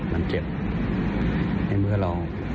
มันเจ็บในเมื่อเรา